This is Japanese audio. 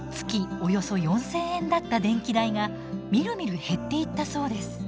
およそ４，０００円だった電気代がみるみる減っていったそうです。